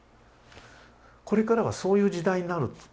これからはそういう時代になると。